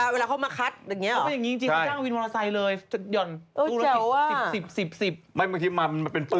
เวลาเขามาคัดอย่างนี้เหรอ